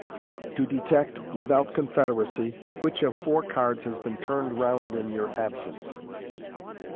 To Detect, without Con 1 roe racy, which of Four Cards has been Turned Round in your Absence.